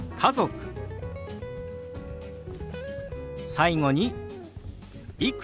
最後に「いくつ？」。